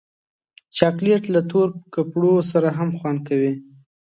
چاکلېټ له تور کپړو سره هم خوند کوي.